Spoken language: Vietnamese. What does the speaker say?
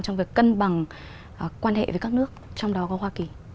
trong việc cân bằng quan hệ với các nước trong đó có hoa kỳ